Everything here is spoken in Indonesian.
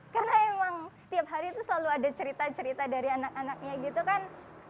karena emang setiap hari itu selalu ada cerita cerita dari anak anaknya gitu kan